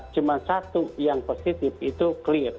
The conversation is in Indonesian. cuma satu yang positif itu clear